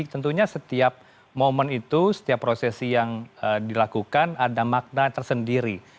tentunya setiap momen itu setiap prosesi yang dilakukan ada makna tersendiri